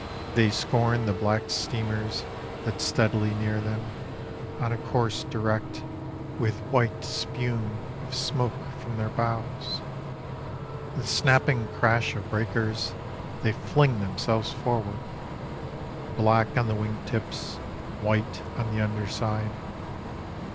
I They scorn the black steamers that steadily near them I On a course direct, with white spume of smoke from their bows, With snapping crash of breakers they fling themselves forward: Black on the wing tips, white on the underside.